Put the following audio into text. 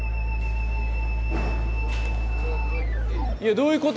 いやどういうこと？